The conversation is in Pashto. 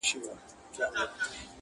ژوند راته لنډوکی د شبنم راکه،